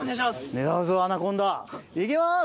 狙うぞアナコンダ。いきます！